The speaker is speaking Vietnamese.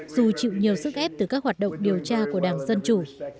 dù chịu nhiều sức ép từ các hoạt động điều tra của đảng dân chủ